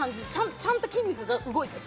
ちゃんと筋肉が動いてる。